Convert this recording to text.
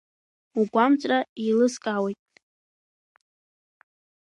Угәамҵра еилыскаауеит…